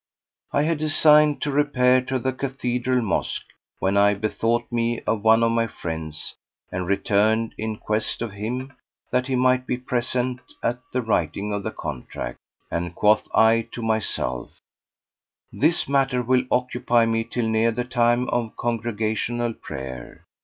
I had designed to repair to the Cathedral mosque when I bethought me of one of my friends and returned in quest of him that he might be present at the writing of the contract; and quoth I to myself, "This matter will occupy me till near the time of congregational prayer."